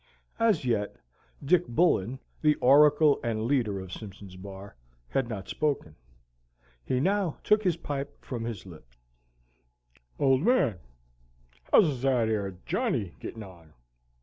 As yet, Dick Bullen, the oracle and leader of Simpson's Bar, had not spoken. He now took his pipe from his lips. "Old Man, how's that yer Johnny gettin' on?